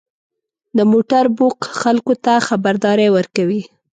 • د موټر بوق خلکو ته خبرداری ورکوي.